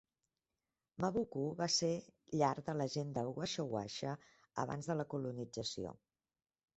Mabvuku va ser llar de la gent de VaShawasha abans de la colonització.